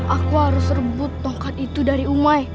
aku harus rebut tokat itu